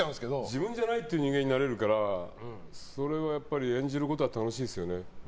自分じゃない人間になれるから演じることは楽しいですよね。